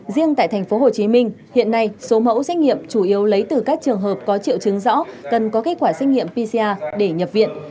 riêng tại tp hcm hiện nay số mẫu xét nghiệm chủ yếu lấy từ các trường hợp có triệu chứng rõ cần có kết quả xét nghiệm pcr để nhập viện